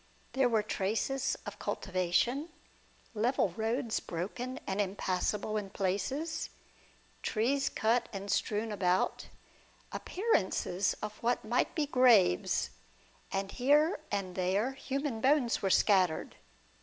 There were traces of cultivation, level roads broken and impassable in places, trees cut and strewn about, appearances of what might be graves, and here and there human bones were scattered.